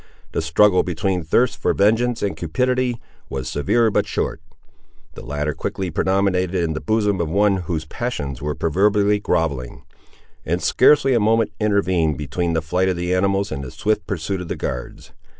The struggle between thirst for vengeance and cupidity was severe but short. The latter quickly predominated in the bosom of one whose passions were proverbially grovelling; and scarcely a moment intervened between the flight of the animals and the swift pursuit of the guards.